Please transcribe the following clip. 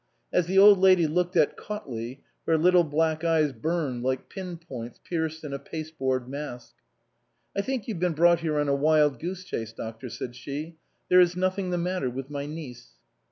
As the Old Lady looked at Cautley her little black eyes burned like pin points pierced in a paste board mask. " I think you've been brought here on a wild goose chase, doctor," said she, "there is nothing the matter with my niece."